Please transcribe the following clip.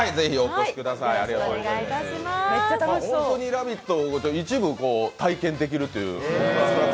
本当にラビットを一部体験できるという。